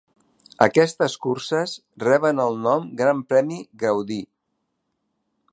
Aquestes curses reben el nom Gran Premi Gaudí.